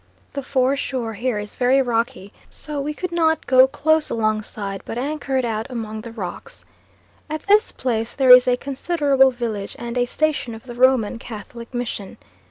The foreshore here is very rocky, so we could not go close alongside but anchored out among the rocks. At this place there is a considerable village and a station of the Roman Catholic Mission.